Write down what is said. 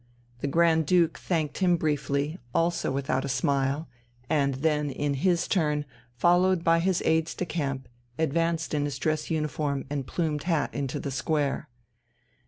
The Grand Duke thanked him briefly, also without a smile, and then in his turn, followed by his aides de camp, advanced in his dress uniform and plumed hat into the square.